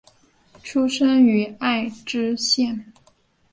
出身于爱知县。